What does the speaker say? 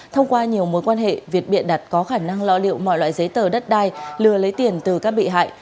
thông qua nhiều mối quan hệ việt biện đặt có khả năng lo liệu mọi loại giấy tờ đất đai lừa lấy tiền từ các bị hại